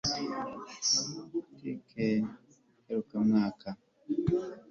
politiki y ivangura yashyize imbere gupfukirana